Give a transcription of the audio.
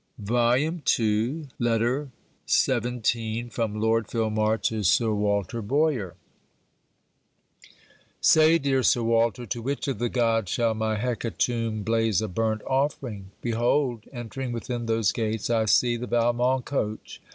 CLEMENT MONTGOMERY LETTER XVII FROM LORD FILMAR TO SIR WALTER BOYER Say, dear Sir Walter, to which of the gods shall my hecatomb blaze a burnt offering? Behold, entering within those gates, I see the Valmont coach!